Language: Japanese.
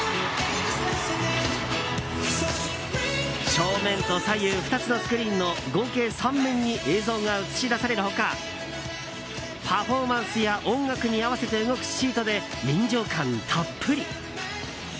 正面と左右２つのスクリーンの合計３面に映像が映し出される他パフォーマンスや音楽に合わせて動くシートで臨場感たっぷり。